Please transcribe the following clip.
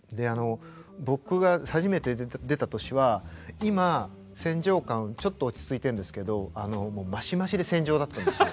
僕が初めて出た年は今戦場感ちょっと落ち着いてるんですけどマシマシで戦場だったんですよ。